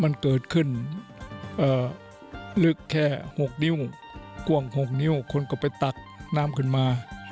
มันเกิดขึ้นลึกแค่๖นิ้วกว้าง๖นิ้วคนก็ไปตักน้ำขึ้นมา